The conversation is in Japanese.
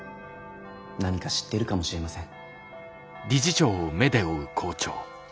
何か知っているかもしれません。